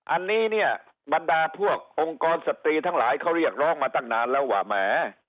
อันนี้เนี่ยบรรดาพวกองค์กรสตรีทั้งหลายเขาเรียกร้องมาตั้งนานแล้วว่าแหม